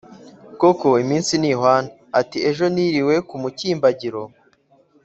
koko imins i ntihwana; ati ejo niriwe ku mukimbagiro